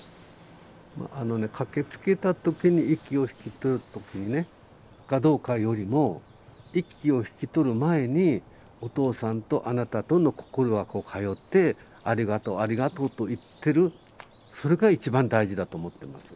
あのね駆けつけた時に息を引き取るかどうかよりも息を引き取る前にお父さんとあなたとの心がこう通って「ありがとうありがとう」と言ってるそれが一番大事だと思ってます。